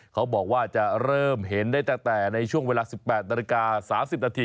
เขาบอกว่าจะเริ่มเห็นได้ตั้งแต่ในช่วงเวลา๑๘นาฬิกา๓๐นาที